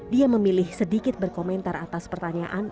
dia memilih sedikit berkomentar atas pertanyaan